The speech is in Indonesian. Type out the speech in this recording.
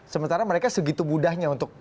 sementara mereka segitu mudahnya untuk